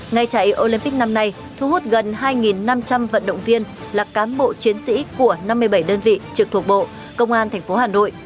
ngày chạy olympic năm nay thu hút gần hai năm trăm linh vận động viên là cán bộ chiến sĩ của năm mươi bảy đơn vị trực thuộc bộ công an tp hà nội